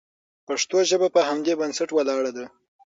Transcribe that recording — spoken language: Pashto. پښتو ژبه په همدې بنسټ ولاړه ده.